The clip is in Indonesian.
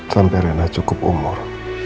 sampai rena cukup umur